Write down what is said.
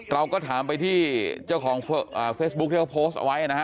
เราก็ถามไปที่เจ้าของเฟซบุ๊คที่เขาโพสต์เอาไว้นะฮะ